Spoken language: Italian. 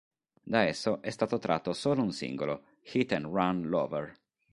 Da esso è stato tratto solo un singolo, Hit and Run Lover.